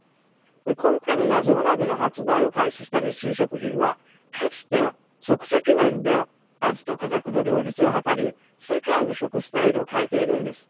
今回の謎うなぎの発売を開始した日清食品はかつて、即席麺で味と価格の両立を図り世界の食のスタイルを変えているんです。